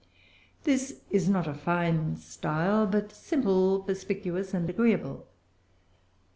This is not a fine style, but simple, perspicuous, and agreeable.